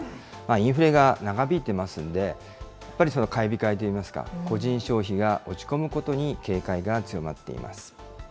インフレが長引いてますんで、やっぱりその買い控えといいますか、個人消費が落ち込むことに警戒が強まっています。